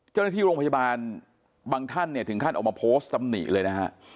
เจ้าหน้าที่โรงพยาบาลบางท่านเนี่ยถึงขั้นออกมาโพสต์ตำหนิเลยนะฮะ